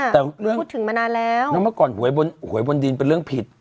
แต่เรื่องพูดถึงมานานแล้วแล้วเมื่อก่อนหวยบนหวยบนดินเป็นเรื่องผิด